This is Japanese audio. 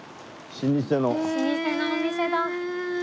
老舗のお店だ。